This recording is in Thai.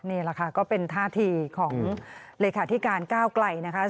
นี่แหละค่ะก็เป็นท่าทีของเลขาธิการก้าวไกลนะคะ